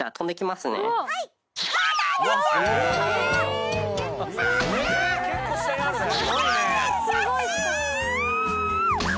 すごい下。